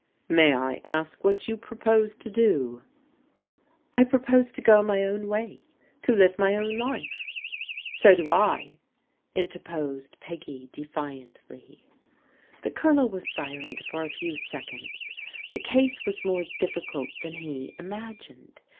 " May I ask what you propose to do ?"I propose to go my own way. To live my own life." " So do I," interposed Peggy defiantly. The Q)lonel was silent for a few seconds. The case was more difficult than he imagined.